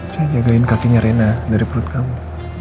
saya jagain kakinya rena dari perut kamu